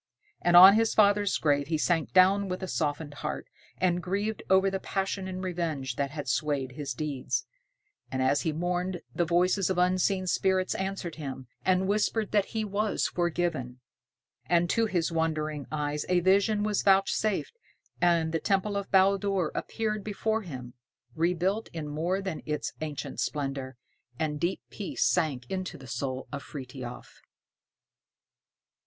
And on his father's grave he sank down with a softened heart, and grieved over the passion and revenge that had swayed his deeds. And as he mourned, the voices of unseen spirits answered him, and whispered that he was forgiven. And to his wondering eyes a vision was vouchsafed, and the temple of Baldur appeared before him, rebuilt in more than its ancient splendor, and deep peace sank into the soul of Frithiof.